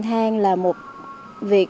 thang là một việc